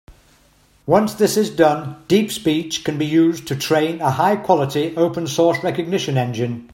Once this is done, DeepSpeech can be used to train a high-quality open source recognition engine.